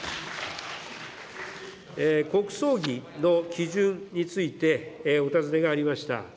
国葬儀の基準についてお尋ねがありました。